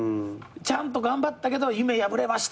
ちゃんと頑張ったけど夢破れました。